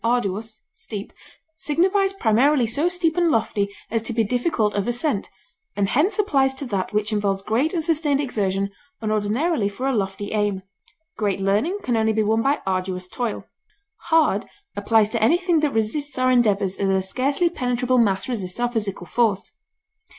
arduus, steep) signifies primarily so steep and lofty as to be difficult of ascent, and hence applies to that which involves great and sustained exertion and ordinarily for a lofty aim; great learning can only be won by arduous toil. Hard applies to anything that resists our endeavors as a scarcely penetrable mass resists our physical force.